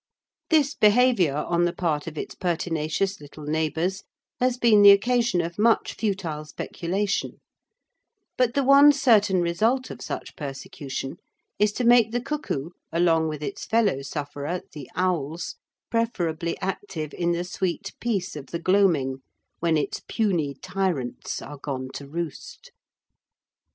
This behaviour on the part of its pertinacious little neighbours has been the occasion of much futile speculation; but the one certain result of such persecution is to make the cuckoo, along with its fellow sufferer, the owls, preferably active in the sweet peace of the gloaming, when its puny tyrants are gone to roost.